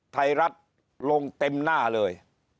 ไทยรัฐลงเต็มหน้าเลย